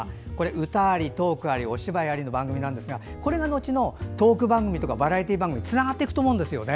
歌あり、トークありお芝居ありの番組なんですがこれが後のトーク番組とかバラエティー番組につながっていくと思うんですよね。